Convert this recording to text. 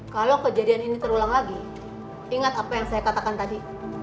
kalau kejadian ini terulang lagi ingat apa yang saya katakan tadi